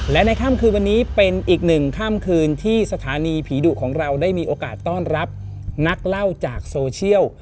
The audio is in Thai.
และในค่ำคืนวันนี้เป็นอีกหนึ่งค่ำคืนที่สถานีผีดุของเราได้มีโอกาสต้อนรับนักเล่าจากโซเชียล